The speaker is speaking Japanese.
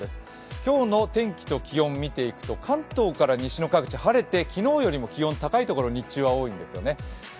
今日の天気と気温を見ていくと関東から西の各地、晴れて、昨日よりも気温、高いところ、日中は多いんすよね。